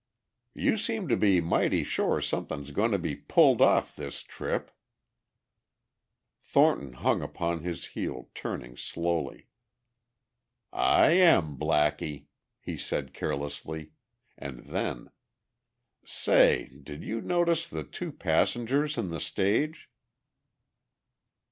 "You seem to be mighty sure something's goin' to be pulled off this trip." Thornton hung upon his heel, turning slowly. "I am, Blackie," he said carelessly. And then, "Say, did you notice the two passengers in the stage?"